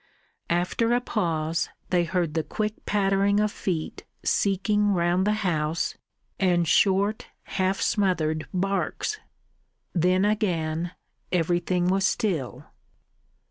After a pause they heard the quick pattering of feet seeking round the house, and short, half smothered barks. Then again everything was still.